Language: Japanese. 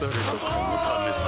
このためさ